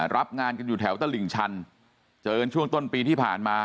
รับงานกันอยู่แถวตลิ่งชันเจอกันช่วงต้นปีที่ผ่านมา